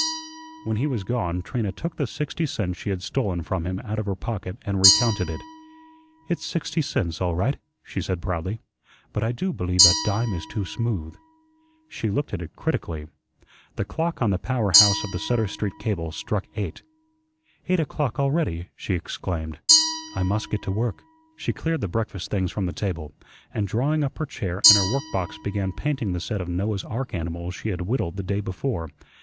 When he was gone, Trina took the sixty cents she had stolen from him out of her pocket and recounted it. "It's sixty cents, all right," she said proudly. "But I DO believe that dime is too smooth." She looked at it critically. The clock on the power house of the Sutter Street cable struck eight. "Eight o'clock already," she exclaimed. "I must get to work." She cleared the breakfast things from the table, and drawing up her chair and her workbox began painting the sets of Noah's ark animals she had whittled the day before.